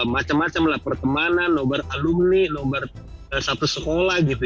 macam macam lah pertemanan nobar alumni nomor satu sekolah gitu